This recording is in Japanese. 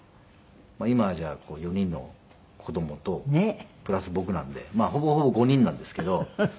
今じゃ４人の子どもとプラス僕なんでまあほぼほぼ５人なんですけど。